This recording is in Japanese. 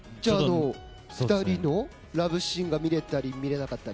２人のラブシーンが見れたり見れなかったり？